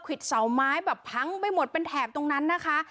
เสาไม้แบบพังไปหมดเป็นแถบตรงนั้นนะคะ